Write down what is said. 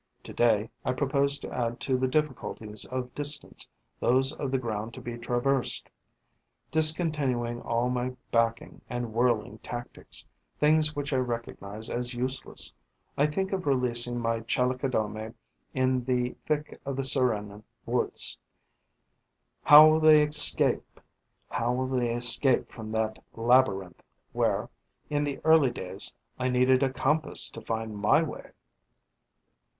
To day, I propose to add to the difficulties of distance those of the ground to be traversed. Discontinuing all my backing and whirling tactics, things which I recognize as useless, I think of releasing my Chalicodomae in the thick of the Serignan Woods. How will they escape from that labyrinth, where, in the early days, I needed a compass to find my way?